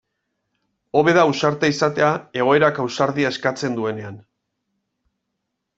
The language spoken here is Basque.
Hobe da ausarta izatea egoerak ausardia eskatzen duenean.